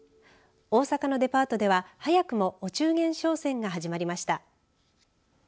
大阪のデパートでは早くもお中元商戦が始まりました。